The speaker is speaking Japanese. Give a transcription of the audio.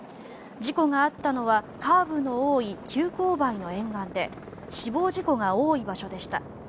事故があったのはカーブの多い急勾配の沿岸で死亡事故が多い場所でした。